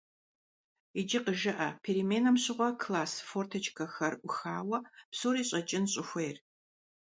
Иджы къыжыӀэ переменэм щыгъуэ класс форточкэхэр Ӏухауэ псори щӀэкӀын щӀыхуейр.